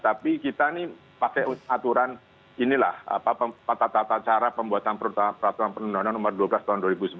tapi kita ini pakai aturan inilah tata tata cara pembuatan peraturan penduduk undang undang nomor dua belas tahun dua ribu sebelas